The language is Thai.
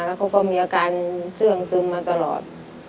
แล้วเขาก็มีอาการเชื่องซึมมาตลอด